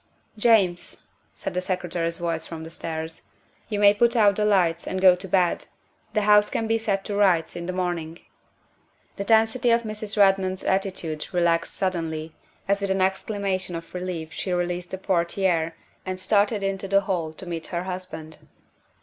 " James," said the Secretary's voice from the stairs, " you may put out the lights and go to bed; the house can be set to rights in the morning." The tensity of Mrs. Redmond's attitude relaxed sud denly as with an exclamation of relief she released the portiere and started into the hall to meet her husband.